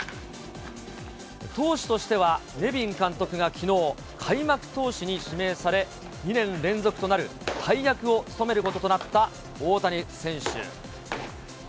投手としては、ネビン監督からきのう、開幕投手に指名され、２年連続となる大役を務めることとなった大谷選手。